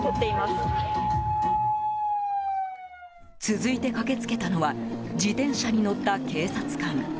続いて駆けつけたのは自転車に乗った警察官。